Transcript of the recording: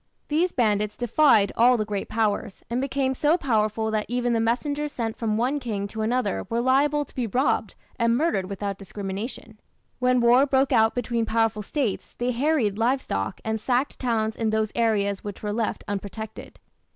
These bandits defied all the great powers, and became so powerful that even the messengers sent from one king to another were liable to be robbed and murdered without discrimination. When war broke out between powerful States they harried live stock and sacked towns in those areas which were left unprotected.